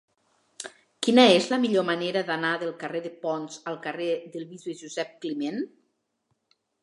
Quina és la millor manera d'anar del carrer de Ponts al carrer del Bisbe Josep Climent?